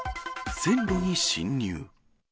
線路に進入。